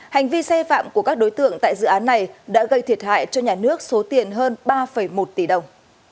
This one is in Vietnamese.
hành vi sai phạm của các đối tượng tại dự án này đã gây thiệt hại cho nhà nước số tiền hơn ba một tỷ đồng